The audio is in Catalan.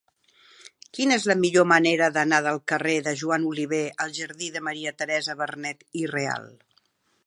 Quina és la millor manera d'anar del carrer de Joan Oliver al jardí de Maria Teresa Vernet i Real?